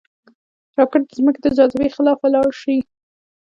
راکټ د ځمکې د جاذبې خلاف ولاړ شي